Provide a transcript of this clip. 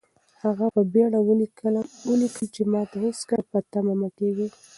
هغه په بېړه ولیکل چې ماته هېڅکله په تمه مه کېږئ.